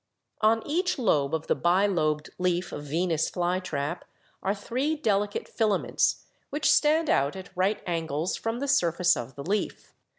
"On each lobe of the bilobed leaf of Venus flytrap are three delicate filaments which stand out at right angles from the surface of the leaf.